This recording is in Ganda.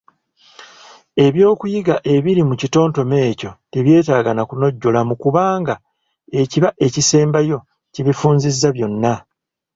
Eby'okuyiga ebiri mu kitontome ekyo tebyetaaga na kunojjolamu kubanga ekiba ekisembayo kibifunzizza byonna.